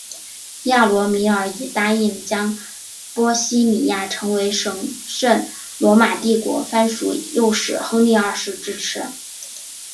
亚罗米尔以答应将波希米亚成为神圣罗马帝国藩属诱使亨利二世支持。